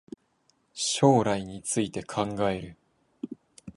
将来について考える